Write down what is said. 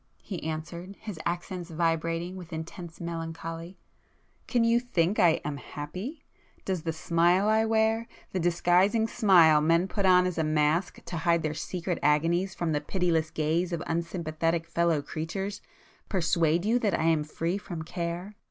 he answered, his accents vibrating with intense melancholy—"Can you think I am happy? Does the smile I wear,—the disguising smile men put on as a mask to hide their secret agonies from the pitiless gaze of unsympathetic fellow creatures,—persuade you that I am free from care?